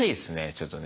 ちょっとね。